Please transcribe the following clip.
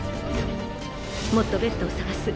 もっとベッドを探す。